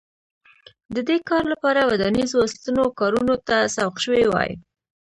د دې کار لپاره ودانیزو ستنو کارونو ته سوق شوي وای